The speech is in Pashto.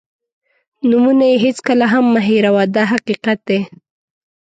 نومونه یې هېڅکله هم مه هېروه دا حقیقت دی.